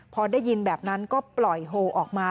พอได้ยินแบบนั้นก็ปล่อยโฮออกมา